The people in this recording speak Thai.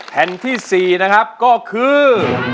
แผ่นที่๔นะครับก็คือ